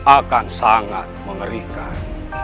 akan sangat mengerikan